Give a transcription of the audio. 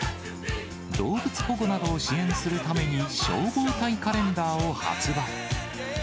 動物保護などを支援するために消防隊カレンダーを発売。